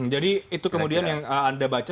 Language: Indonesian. jadi itu kemudian yang anda baca